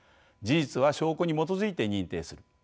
事実は証拠に基づいて認定する。